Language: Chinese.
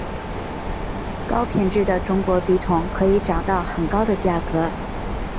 高品质的中国笔筒可以涨到很高的价格。